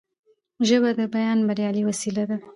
ژبه د بیان بریالۍ وسیله ده